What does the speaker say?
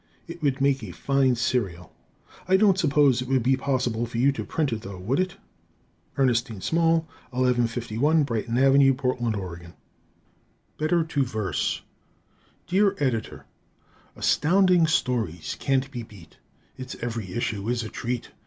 It would make a fine serial. I don't suppose it would be possible for you to print it, though, would it? Ernestine Small, 1151 Brighton Ave., Portland, Ore. Better to Verse Dear Editor: Astounding Stories can't be beat; Its every issue is a treat.